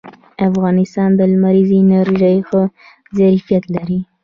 افغانستان د لمریزې انرژۍ ښه ظرفیت لري